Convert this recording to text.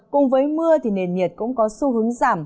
cùng với mưa thì nền nhiệt cũng có xu hướng giảm